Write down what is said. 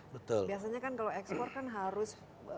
biasanya kan kalau ekspor kan harus